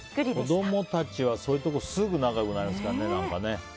子供たちは、そういうとこすぐ仲良くなりますからね。